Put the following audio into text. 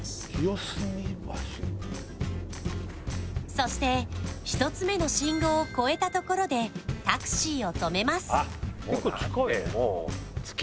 そして１つ目の信号を越えたところでタクシーをとめます